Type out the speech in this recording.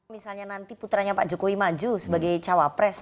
misalnya nanti putranya pak jokowi maju sebagai cawapres